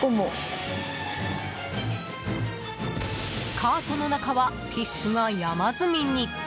カートの中はティッシュが山積みに。